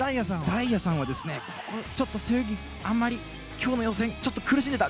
大也さんは平泳ぎあんまり今日の予選ちょっと苦しんでた。